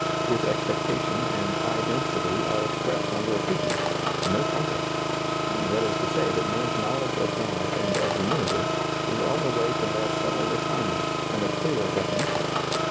This ex pectation and high destiny are expressed under a figure, " no temple," — that is to say, that man's knowledge of God and of the universe is on the way to more subtle refinements and a clearer defi nition.